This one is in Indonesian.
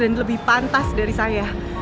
dan lebih pantas dari saya